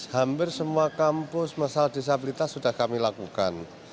hampir semua kampus masalah disabilitas sudah kami lakukan